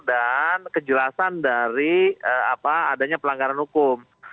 dan kejelasan dari adanya pelanggaran hukum